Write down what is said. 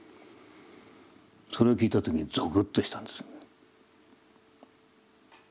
それを聞いた時にゾクッとしたんです。